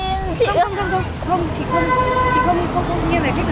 chị cũng không thông thẳng đâu